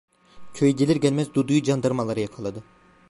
Köye gelir gelmez Dudu'yu candarmalar yakaladı.